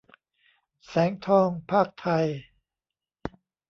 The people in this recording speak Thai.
แสงทอง พากษ์ไทย